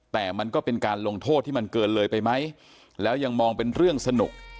แต่มันก็เป็นการลงโทษที่มันเกินเลยไปไหมแล้วยังมองเป็นเรื่องสนุก